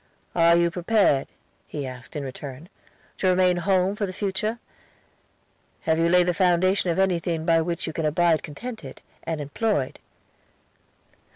"Are you prepared," he asked in return, "to remain at home for the future? Have you laid the foundation of anything by which you can abide contented, and employed?